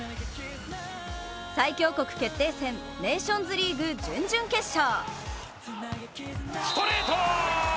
最強国決定戦ネーションズリーグ準々決勝。